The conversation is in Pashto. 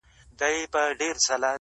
څوک یې ژړولي پرې یا وړی یې په جبر دی.